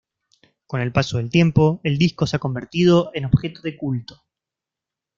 Con el paso del tiempo, el disco se ha convertido en objeto de culto.